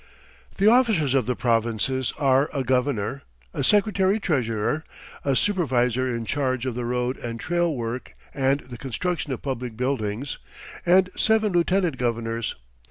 The officers of the provinces are a governor, a secretary treasurer, a supervisor in charge of the road and trail work and the construction of public buildings, and seven lieutenant governors.